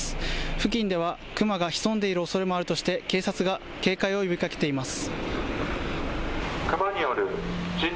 付近ではクマが潜んでいるおそれもあるとして、警察が警戒を呼びかけています。